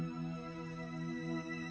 aku sudah berjalan